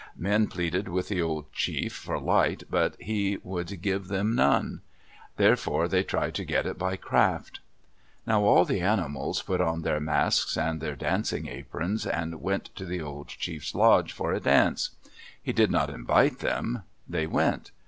Men pleaded with the old chief for light, but he would give them none. Therefore they tried to get it by craft. Now all the animals put on their masks and their dancing aprons and went to the old chief's lodge for a dance. He did not invite them. They went.